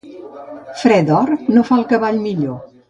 Fre d'or no fa el cavall millor.